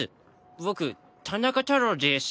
僕田中太郎です。